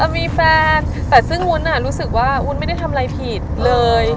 มีแฟนแต่ซึ่งวุ้นรู้สึกว่าวุ้นไม่ได้ทำอะไรผิดเลย